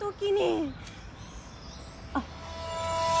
あっ。